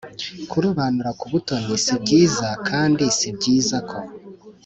kurobanura ku butoni si byiza, kandi si byiza k